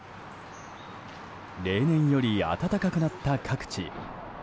例年より暖かくなった各地。